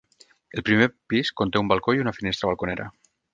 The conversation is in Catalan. El primer pis conté un balcó i una finestra balconera.